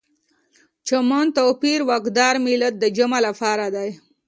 چمن، توپیر، واکدار، ملت د جمع لپاره دي.